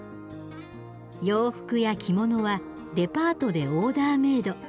洋服や着物はデパートでオーダーメード。